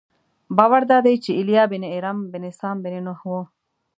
باور دادی چې ایلیا بن ارم بن سام بن نوح و.